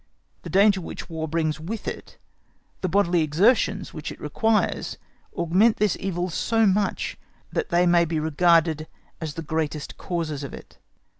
The danger which War brings with it, the bodily exertions which it requires, augment this evil so much that they may be regarded as the greatest causes of it.